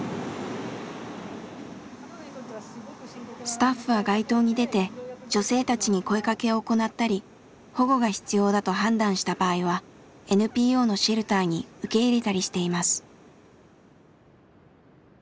スタッフは街頭に出て女性たちに声かけを行ったり保護が必要だと判断した場合はＮＰＯのシェルターに受け入れたりしています。